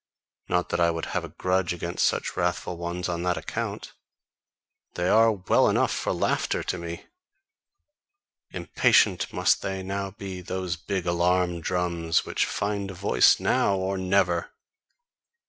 Not that I would have a grudge against such wrathful ones on that account: they are well enough for laughter to me! Impatient must they now be, those big alarm drums, which find a voice now or never!